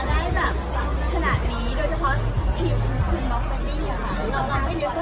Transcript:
เราไม่ได้อยู่ข้างตัวเองฮะ